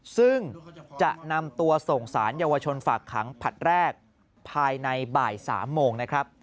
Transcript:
ซึ่งจะนำตัวส่งสารเยาวชนฝากขังผลัดแรกภายในบ่าย๓โมงนะครับ